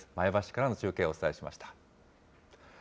前橋市からの中継、お伝えしました。